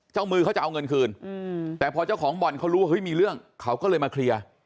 มือเขาจะเอาเงินคืนแต่พอเจ้าของบ่อนเขารู้ว่าเฮ้ยมีเรื่องเขาก็เลยมาเคลียร์